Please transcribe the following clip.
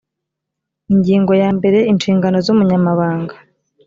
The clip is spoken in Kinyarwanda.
ingingo ya mbere inshingano z umunyamabanga